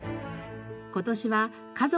今年は「家族！